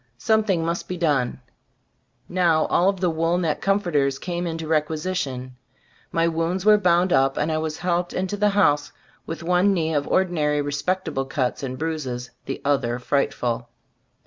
Something must be done. Now all of the wool neck comforters came into requisition; my wounds were bound up, and I was helped into the house, with one knee of ordinary respectable cuts and bruises ; the other frightful.